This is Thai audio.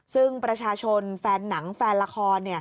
ซึ่งประชาชนแฟนหนังแฟนละคร